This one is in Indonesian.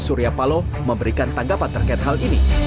pak lurah dan pak paloh memberikan tanggapan terkait hal ini